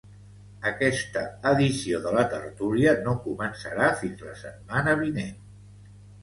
Aquesta edició de la tertúlia no començarà fins la setmana vinent.